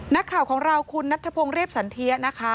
นักข่าวของเราคุณนัทธพงศ์เรียบสันเทียนะคะ